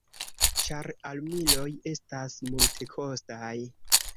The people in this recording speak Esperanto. Ĉar armiloj estas multekostaj.